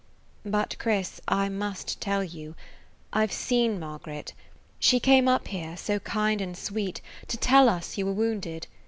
"But, Chris, I must tell you. I 've seen Margaret. She came up here, so kind and sweet, to tell us you were wounded.